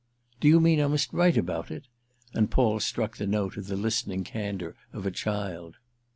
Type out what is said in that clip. "Do you mean I must write about it?" and Paul struck the note of the listening candour of a child.